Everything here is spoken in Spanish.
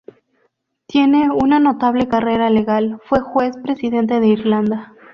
Tiene una notable carrera legal, fue Juez Presidente de Irlanda.